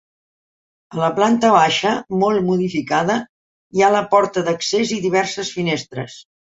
A la planta baixa, molt modificada, hi ha la porta d'accés i diverses finestres.